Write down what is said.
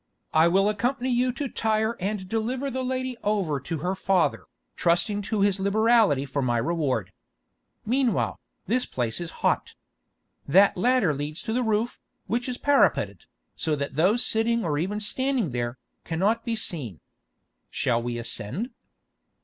I will accompany you to Tyre and deliver the lady over to her father, trusting to his liberality for my reward. Meanwhile, this place is hot. That ladder leads to the roof, which is parapeted, so that those sitting or even standing there, cannot be seen. Shall we ascend?"